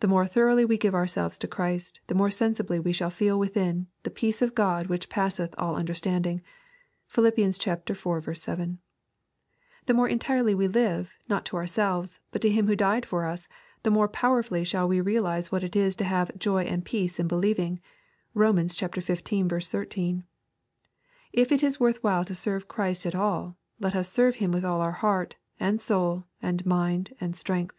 The more thoroughly we give ourselves to Christ, the more sensibly shall we feel within " the peace of God which passeth all understanding." (Phil. iv. 7.) The more en tirely we live, not to ourselves, but to Him who died for us, the more powerfully shall we realize what it is to have ^'^joy and peace in believing." (Rom. xv. 13.) If it is worth while to serve Christ at all, let us serve Him with all oui heart, and soul, and mind and strength.